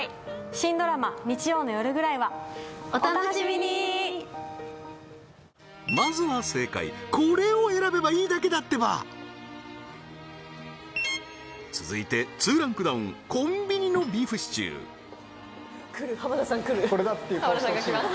新ドラマ日曜の夜ぐらいは．．．お楽しみにまずは正解これを選べばいいだけだってば続いて２ランクダウンコンビニのビーフシチューくる浜田さんがきます